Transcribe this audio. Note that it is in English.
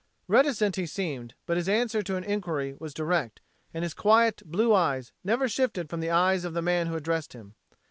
Reticent he seemed, but his answer to an inquiry was direct, and his quiet blue eyes never shifted from the eyes of the man who addressed him.